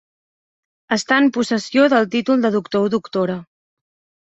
Estar en possessió del títol de doctor o doctora.